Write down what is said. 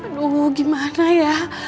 aduh gimana ya